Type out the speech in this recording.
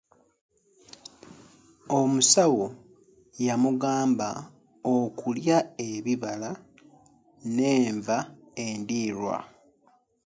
Omusawo yamugamba okulya ebibala ne nva endirwa.